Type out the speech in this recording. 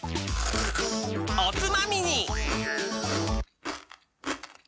おつまみに！